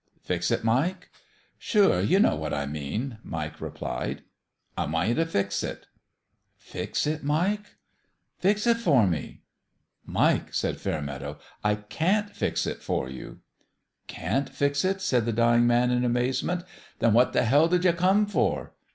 "Fix it, Mike?" " Sure, ye know what I mean," Mike replied. " I want ye t' fix it." "Fix it, Mike?" " Fix it for me." 212 ON THE GRADE " Mike," said Fairmeadow, " I can't fix it for you.' " Can't fix it? " said the dying man, in amaze ment. " Then what the hell did ye come for